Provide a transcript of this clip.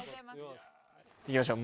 行きましょう。